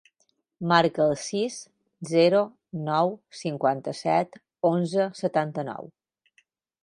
Marca el sis, zero, nou, cinquanta-set, onze, setanta-nou.